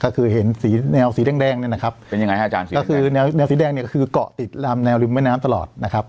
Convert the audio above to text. ก็คือเห็นสีแนวสีแดงเนี่ยนะครับเป็นยังไงฮะอาจารย์ก็คือแนวสีแดงเนี่ยก็คือเกาะติดลำแนวริมแม่น้ำตลอดนะครับ